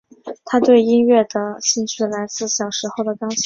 她对音乐的兴趣来自小时候的钢琴课。